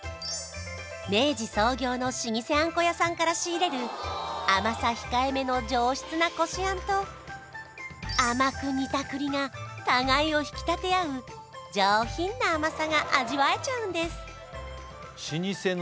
明治創業の老舗あんこ屋さんから仕入れる甘さ控えめの上質なこしあんと甘く煮た栗が互いを引き立て合う上品な甘さが味わえちゃうんです